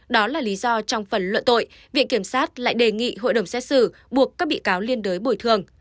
đó là lý do trong phần luận tội viện kiểm sát lại đề nghị hội đồng xét xử buộc các bị cáo liên đới bồi thường